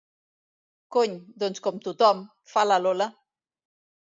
Cony, doncs com tothom, fa la Lola.